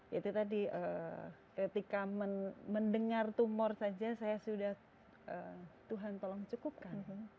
ya itu tadi ketika mendengar tumor saja saya sudah tuhan tolong cukupkan